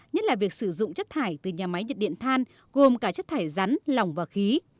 nhất là việc sử dụng chất thải từ nhà máy nhiệt điện than gồm cả chất thải rắn lỏng và khí